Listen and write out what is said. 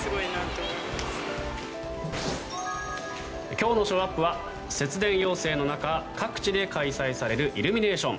今日のショーアップは節電要請の中各地で開催されるイルミネーション。